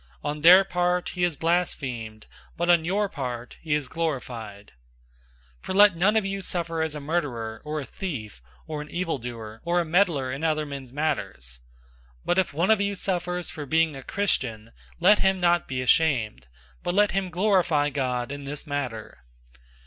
On their part he is blasphemed, but on your part he is glorified. 004:015 For let none of you suffer as a murderer, or a thief, or an evil doer, or a meddler in other men's matters. 004:016 But if one of you suffers for being a Christian, let him not be ashamed; but let him glorify God in this matter.